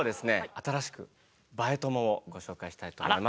新しくＢＡＥ友をご紹介したいと思います。